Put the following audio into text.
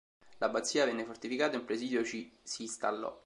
L'abbazia venne fortificata e un presidio ci si installò.